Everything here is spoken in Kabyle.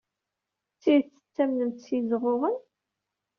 D tidet tettamnemt s yizɣuɣen?